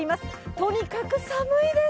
とにかく寒いです！